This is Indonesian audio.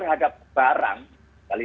itu agak menyelamatkan berambeighte